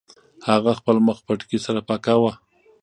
هغه خپل مخ پټکي سره پاکاوه.